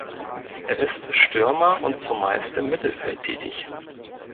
Er ist Stürmer und zumeist im Mittelfeld tätig.